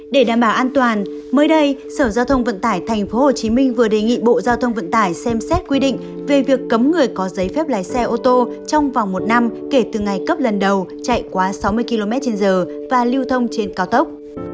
để đảm bảo an toàn mới đây sở giao thông vận tải tp hcm vừa đề nghị bộ giao thông vận tải xem xét quy định về việc cấm người có giấy phép lái xe ô tô trong vòng một năm kể từ ngày cấp lần đầu chạy quá sáu mươi km trên giờ và lưu thông trên cao tốc